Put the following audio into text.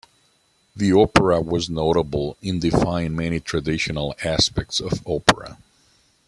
The opera was notable in defying many traditional aspects of opera.